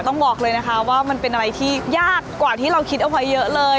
ต้องบอกเลยนะคะว่ามันเป็นอะไรที่ยากกว่าที่เราคิดเอาไว้เยอะเลย